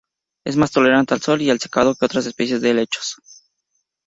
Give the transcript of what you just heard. Es más tolerante al sol y al secado que otras especies de helechos..